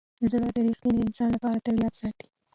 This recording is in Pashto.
زړه د ریښتیني انسان لپاره تل یاد ساتي.